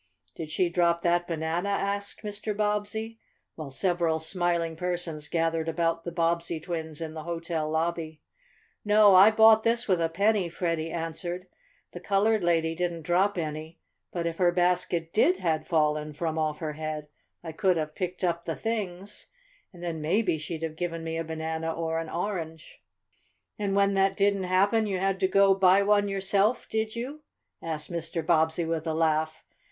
"Did she drop that banana?" asked Mr. Bobbsey, while several smiling persons gathered about the Bobbsey twins in the hotel lobby. "No, I bought this with a penny," Freddie answered. "The colored lady didn't drop any. But if her basket did had fallen from off her head I could have picked up the things, and then maybe she'd have given me a banana or an orange." "And when that didn't happen you had to go buy one yourself; did you?" asked Mr. Bobbsey with a laugh.